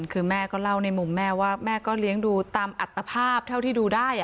คือแม่ก็เล่าในมุมแม่ว่าแม่ก็เลี้ยงดูตามอัตภาพเท่าที่ดูได้